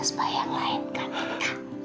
sebayang lain kan tante